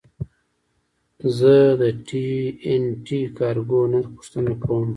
زه د ټي این ټي کارګو نرخ پوښتنه کوم.